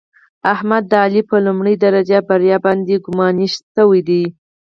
احمد د علي په لومړۍ درجه بریا باندې ګماني شوی دی.